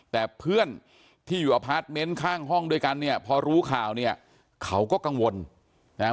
แต่เพื่อนที่อยู่อพาร์ทเมนต์ข้างห้องด้วยกันเนี่ยพอรู้ข่าวเนี่ยเขาก็กังวลนะฮะ